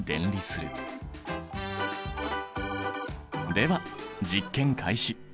では実験開始。